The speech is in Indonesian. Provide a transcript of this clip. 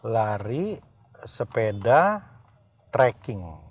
lari sepeda trekking